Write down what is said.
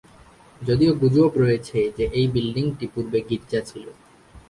যদিও গুজব রয়েছে যে এই বিল্ডিংটি পূর্বে গির্জা ছিল।